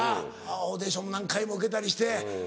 オーディション何回も受けたりして。